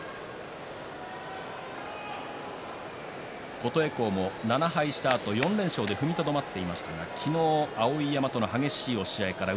琴恵光も７敗したあと４連勝で踏みとどまっていましたが昨日と碧山との取組で敗れて